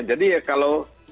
jadi ya kalau